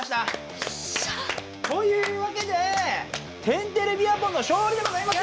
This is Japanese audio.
よっしゃ！というわけで天てれビアポンのしょうりでございます！